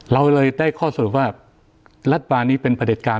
เราเลยได้ข้อสรุปว่ารัฐบาลนี้เป็นประเด็จการ